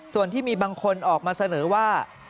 ส่วนที่มีบางคนออกมาเสนอว่า